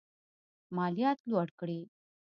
مالیات لوړ کړي.